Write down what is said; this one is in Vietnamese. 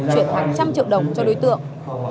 chuyển hàng trăm triệu đồng cho đối tượng